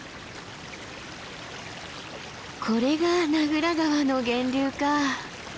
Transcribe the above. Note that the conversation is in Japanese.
これが名蔵川の源流か。